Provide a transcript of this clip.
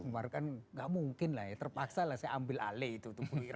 umar kan gak mungkin lah ya terpaksa lah saya ambil alih itu